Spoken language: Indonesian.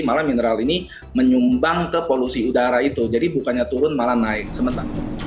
malah mineral ini menyumbang ke polusi udara itu jadi bukannya turun malah naik sementara